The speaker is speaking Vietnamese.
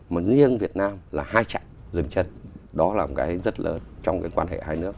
mà riêng việt nam là hai trạng dừng chân đó là một cái rất lớn trong cái quan hệ hai nước